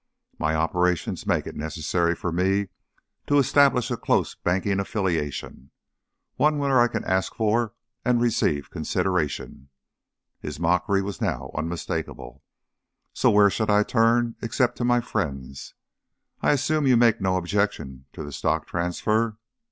My operations make it necessary for me to establish a close banking affiliation one where I can ask for and receive consideration" his mockery was now unmistakable "so where should I turn, except to my friends? I assume you make no objection to the stock transfer?